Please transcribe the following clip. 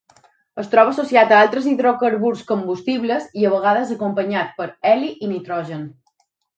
Es troba associat a altres hidrocarburs combustibles i a vegades acompanyat per heli i nitrogen.